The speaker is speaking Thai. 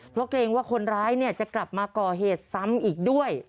เพราะเกรงว่าคนร้ายจะกลับมาก่อเหตุซ้ำอีกด้วย